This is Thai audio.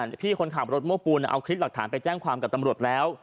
พี่คนขับรถโม้ปูนเอาคลิปหลักฐานไปแจ้งความกับตำรวจแล้ว